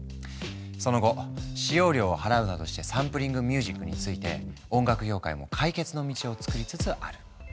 その後使用料を払うなどしてサンプリングミュージックについて音楽業界も解決の道を作りつつある。